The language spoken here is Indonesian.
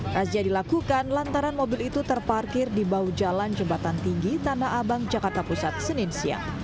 razia dilakukan lantaran mobil itu terparkir di bahu jalan jembatan tinggi tanah abang jakarta pusat senin siang